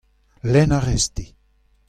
lenn a rez-te.